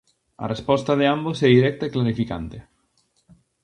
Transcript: A resposta de ambos é directa e clarificante.